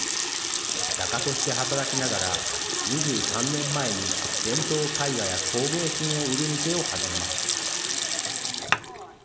画家として働きながら２３年前に伝統絵画や工芸品を売る店を始めました。